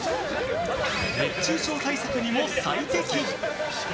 熱中症対策にも最適。